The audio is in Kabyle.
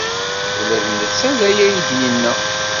Ula d netta d aya ay iyi-d-yenna.